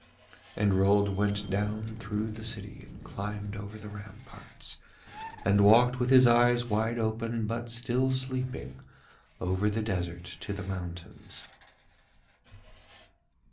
And Rold went down through the city and climbed over the ramparts, and walked with his eyes wide open but still sleeping over the desert to the mountains.